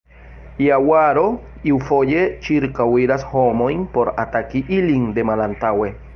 Jaguaro iufoje ĉirkaŭiras homojn por ataki ilin de malantaŭe.